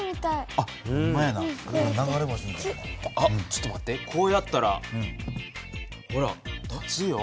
ちょっと待ってこうやったらほら立つよ。